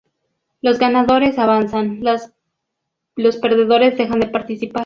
Los ganadores avanzan, los perdedores dejan de participar.